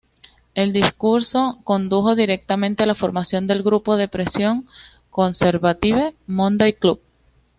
El discurso condujo directamente a la formación del grupo de presión Conservative Monday Club.